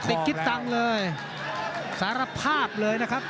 ก่อติดคิดตังเลยสารภาพเลยนะครับ